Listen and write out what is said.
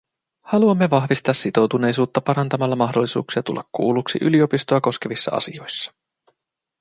Haluamme vahvistaa sitoutuneisuutta parantamalla mahdollisuuksia tulla kuulluksi yliopistoa koskevissa asioissa.